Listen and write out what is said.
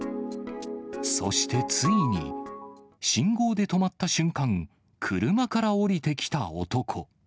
そしてついに、信号で止まった瞬間、車から降りてきた男。